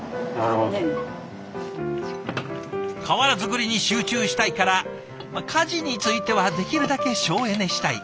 瓦作りに集中したいから家事についてはできるだけ省エネしたい。